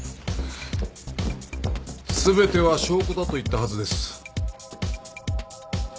全ては証拠だと言ったはずです。